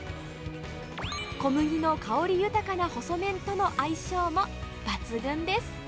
小麦の香り豊かな細麺との相性も抜群です。